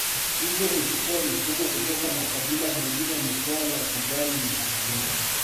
Hivyo huchukua mifugo kutoka makabila mengine ni suala la kudai ni haki yao